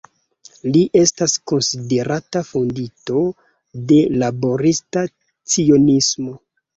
Li estas konsiderata fondinto de Laborista Cionismo.